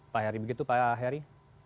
pak heri begitu pak heri